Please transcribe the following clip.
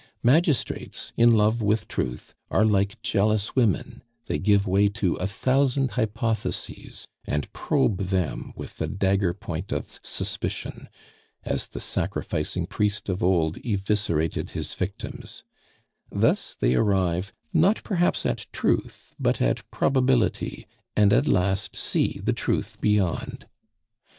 Magistrates, in love with truth, are like jealous women; they give way to a thousand hypotheses, and probe them with the dagger point of suspicion, as the sacrificing priest of old eviscerated his victims; thus they arrive, not perhaps at truth, but at probability, and at last see the truth beyond.